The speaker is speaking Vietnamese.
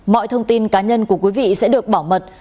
mọi thông tin cá nhân của quý vị sẽ được bảo mật